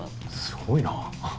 すごいな。